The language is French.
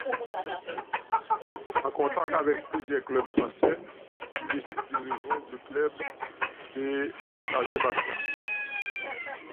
En contact avec plusieurs clubs français, il décide de rejoindre le club de l’Azerbaïdjan.